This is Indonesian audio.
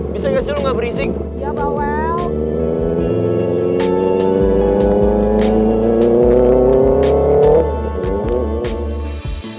bisa gak sih lo gak berisik